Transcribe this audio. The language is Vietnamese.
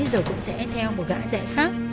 giờ cũng sẽ theo một gã dạy khác